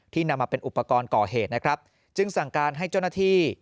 นำมาเป็นอุปกรณ์ก่อเหตุนะครับจึงสั่งการให้เจ้าหน้าที่